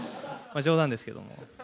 冗談ですけども。